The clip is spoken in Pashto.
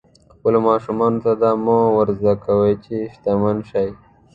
خپلو ماشومانو ته دا مه ور زده کوئ چې شتمن شي.